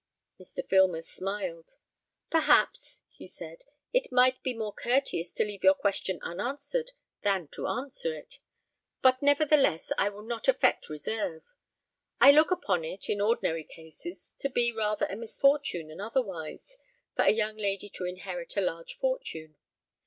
Mr. Filmer smiled. "Perhaps," he said, "it might be more courteous to leave your question unanswered than to answer it; but nevertheless I will not affect reserve. I look upon it, in ordinary cases, to be rather a misfortune than otherwise for a young lady to inherit a large fortune.